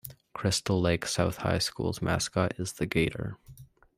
Crystal Lake South High School's mascot is the "Gator".